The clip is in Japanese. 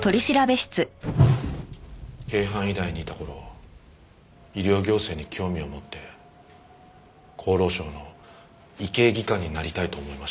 京阪医大にいた頃医療行政に興味を持って厚労省の医系技官になりたいと思いました。